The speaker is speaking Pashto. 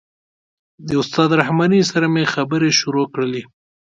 د استاد رحماني سره مې خبرې شروع کړلې.